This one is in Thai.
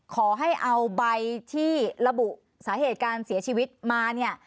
ขอให้เอาใบที่ระบุสาเหตุการเสียชีวิตมาเนี่ย